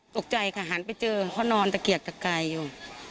ตกใจค่ะหันไปเจอเขานอนตะเกียกตะกายอยู่